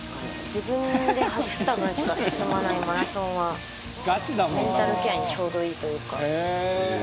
自分で走った分しか進まないマラソンはメンタルケアにちょうどいいというか。